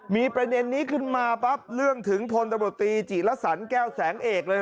มีประเด็นนี้ขึ้นมาปั๊บเรื่องถึงพลตำรวจตีจิลสรรแก้วแสงเอกเลย